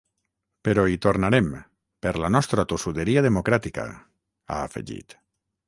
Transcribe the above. Però hi tornarem, per la nostra tossuderia democràtica, ha afegit.